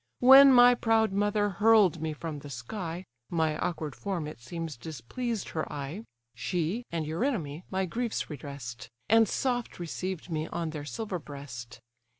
When my proud mother hurl'd me from the sky, (My awkward form, it seems, displeased her eye,) She, and Eurynome, my griefs redress'd, And soft received me on their silver breast.